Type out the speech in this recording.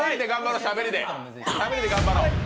しゃべりで頑張ろう。